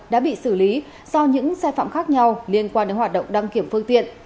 đã bị xử lý do những sai phạm khác nhau liên quan đến hoạt động đăng kiểm phương tiện